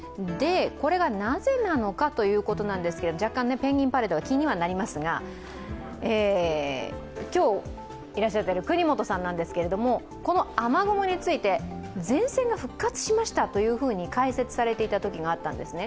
これが、なぜなのかということなんですけど若干、ペンギンパレードが気にはなりますが、今日いらっしゃっている國本さんですけれども、雨雲について前線が復活しましたというふうに解説されていたときがあったんですね